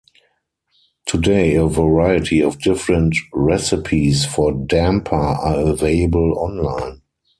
Today, a variety of different recipes for damper are available online.